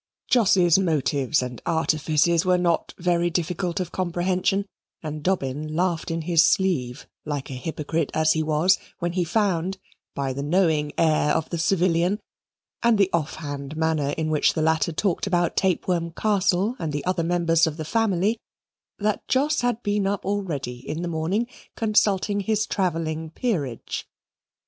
Jos's motives and artifices were not very difficult of comprehension, and Dobbin laughed in his sleeve, like a hypocrite as he was, when he found, by the knowing air of the civilian and the offhand manner in which the latter talked about Tapeworm Castle and the other members of the family, that Jos had been up already in the morning, consulting his travelling Peerage.